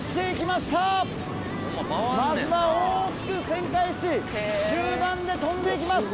まずは大きく旋回し集団で飛んで行きます。